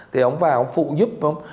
thì ông vào phụ giúp ông